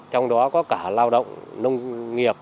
trong đó có cả lao động nông nghiệp